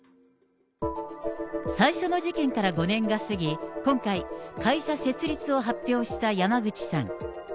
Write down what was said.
最初の事件から５年が過ぎ、今回、会社設立を発表した山口さん。